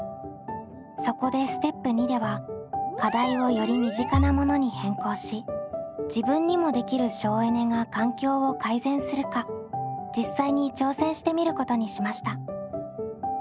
そこでステップ②では課題をより身近なものに変更し自分にもできる省エネが環境を改善するか実際に挑戦してみることにしました。